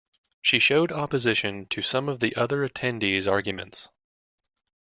She showed opposition to some of the other attendees' arguments.